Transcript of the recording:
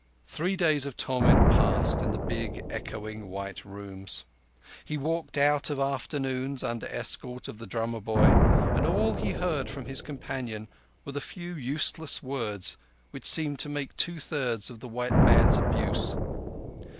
Three days of torment passed in the big, echoing white rooms. He walked out of afternoons under escort of the drummer boy, and all he heard from his companions were the few useless words which seemed to make two thirds of the white man's abuse.